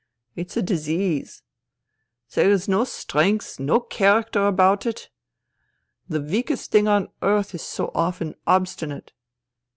It's a disease. There is no strength, no character about it. The weakest thing on earth is so often obstinate.